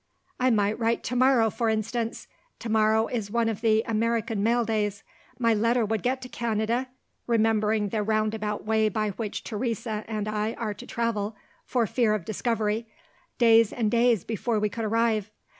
"I might write to morrow, for instance. To morrow is one of the American mail days. My letter would get to Canada (remembering the roundabout way by which Teresa and I are to travel, for fear of discovery), days and days before we could arrive.